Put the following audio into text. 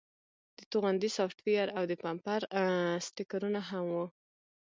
د توغندي سافټویر او د بمپر سټیکرونه هم وو